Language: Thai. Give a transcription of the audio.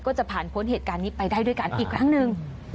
จะผ่านพ้นเหตุการณ์นี้ไปได้ด้วยกันอีกครั้งหนึ่ง